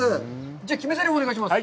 じゃあ、決めぜりふ、お願いします。